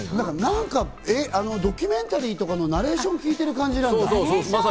ドキュメンタリーとかのナレーション聞いてる感じだった。